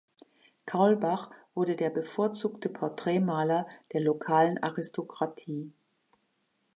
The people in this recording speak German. Kaulbach wurde der bevorzugte Porträtmaler der lokalen Aristokratie.